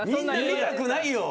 見たくないよ。